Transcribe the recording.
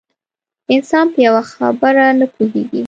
انسان په یوه خبره نه پوهېږي.